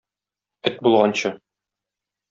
Эт булганчы.